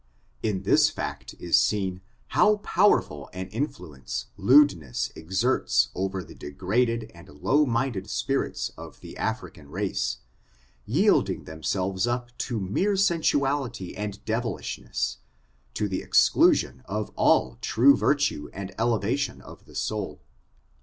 In this fact is seen how powerful an influence lewd ness exerts over the degraded and low minded spirits of the African race, violding themselves up to mere ■ N^k^h^t^h^ ''% 186 QUIGIN, CHARACTER, AVD I sensuality and deyilishness, to the exclusion of all true virtue and elevation of soul.